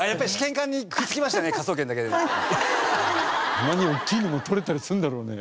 たまに大きいのも取れたりするんだろうね。